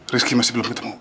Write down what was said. rizky masih belum ketemu